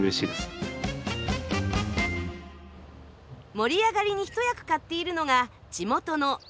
盛り上がりに一役買っているのが地元の竹花紀俊さん。